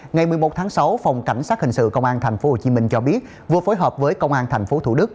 ngày một mươi một tháng sáu phòng cảnh sát hình sự công an tp hcm cho biết vừa phối hợp với công an tp thủ đức